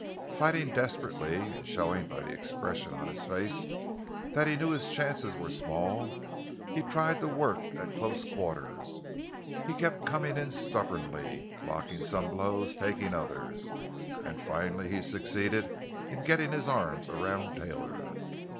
Fighting desperately, and showing by the expression of his face that he knew his chances were small, he tried to work at close quarters. He kept coming in stubbornly, blocking some blows, taking others; and finally he succeeded in getting his arms around Taylor.